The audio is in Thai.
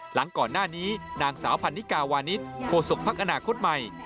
หลังก่อนหน้านี้นางสาวพันนิกาวานิสโคศกภักดิ์อนาคตใหม่